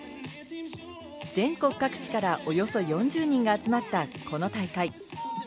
全国各地からおよそ４０人が集まったこの大会。